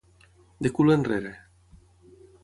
De cul enrere.